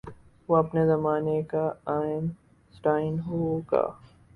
وہ اپنے زمانے کا آئن سٹائن ہو گا۔